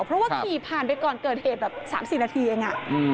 เพราะว่าขี่ผ่านไปก่อนเกิดเหตุแบบ๓๔นาทีเอง